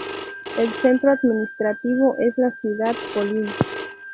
El centro administrativo es la ciudad Kolín.